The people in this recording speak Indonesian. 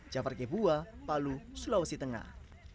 jafar g bua palu sulawesi tengah